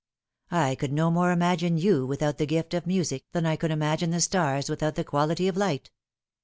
I could no more imagine you without the gift of music than I could imagine the stars without the quality of light.